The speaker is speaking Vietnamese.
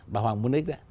bà hoàng môn ích đó